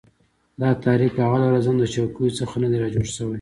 دا تحریک اوله ورځ هم د چوکیو څخه نه دی را جوړ سوی